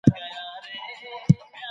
منزلت په اخلاقو کې دی.